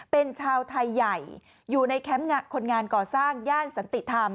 เป็นชาวไทยใหญ่อยู่ในแคมป์คนงานก่อสร้างย่านสันติธรรม